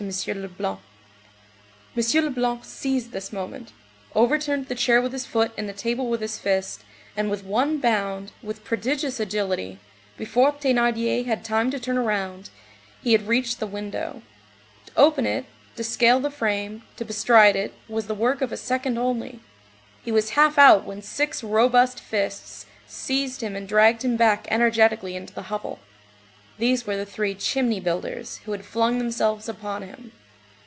Leblanc. M. Leblanc seized this moment, overturned the chair with his foot and the table with his fist, and with one bound, with prodigious agility, before Thénardier had time to turn round, he had reached the window. To open it, to scale the frame, to bestride it, was the work of a second only. He was half out when six robust fists seized him and dragged him back energetically into the hovel. These were the three "chimney builders," who had flung themselves upon him.